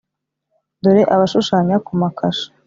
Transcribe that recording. Dore abashushanya ku makashe,